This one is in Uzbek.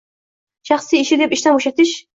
Shaxsiy ishi deb ishdan bo‘shatish